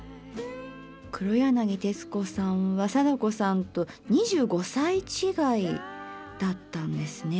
黒柳徹子さんは貞子さんと２５歳違いだったんですね。